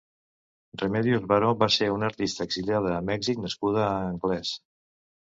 Remedios Varo va ser una artista exiliada a Mèxic nascuda a Anglès.